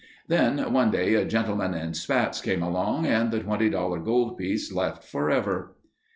Then one day a gentleman in spats came along and the $20 gold piece left forever.